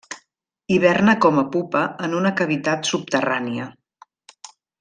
Hiverna com a pupa en una cavitat subterrània.